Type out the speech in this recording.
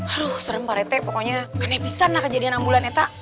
aduh serem pak rete pokoknya kan hebisan lah kejadian ambulan teh tak